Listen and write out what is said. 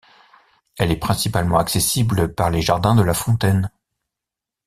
Elle est principalement accessible par les jardins de la Fontaine.